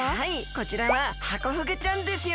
こちらはハコフグちゃんですよ。